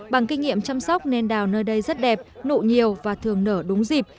bằng kinh nghiệm chăm sóc nên đào nơi đây rất đẹp nụ nhiều và thường nở đúng dịp